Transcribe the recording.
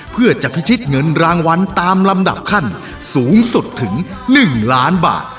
เพื่อจะพิชิตเงินรางวัลตามลำดับขั้นสูงสุดถึง๑ล้านบาท